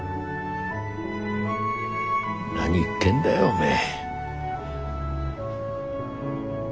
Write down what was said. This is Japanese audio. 何言ってんだよおめえ。